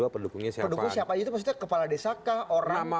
pendukungnya pendukung siapa aja itu maksudnya kepala desa kah orang